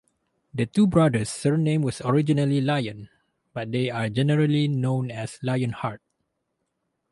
The two brothers' surname was originally Lion, but they are generally known as Lionheart.